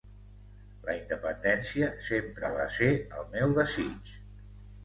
La independència sempre va ser el meu desig.